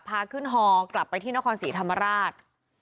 พาขึ้นฮอกลับไปที่นครศรีธรรมราช